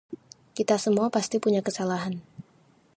Kita semua pasti punya kesalahan.